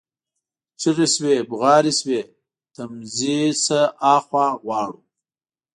چیغي شوې، بغارې شوې: تمځي نه ها خوا غواړو،